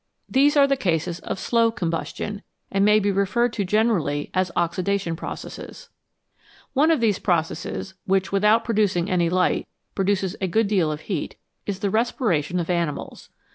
These are cases of slow com 115 PRODUCTION OF LIGHT AND HEAT bustion, and may be referred to generally as oxidation processes. One of these processes, which, without producing any light, produces a good deal of heat, is the respiration of animals.